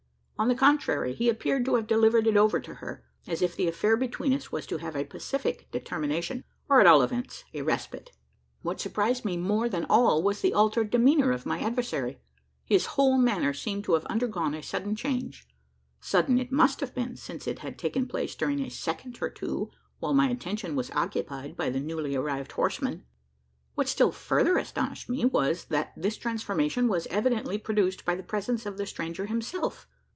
On the contrary, he appeared to have delivered it over to her as if the affair between us was to have a pacific termination, or, at all events, a respite. What surprised me more than all was the altered demeanour of my adversary. His whole manner seemed to have undergone a sudden change. Sudden it must have been, since it had taken place during a second or two, while my attention was occupied by the newly arrived horseman. What still further astonished me, was, that this transformation was evidently produced by the presence of the stranger himself!